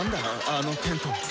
あのテント。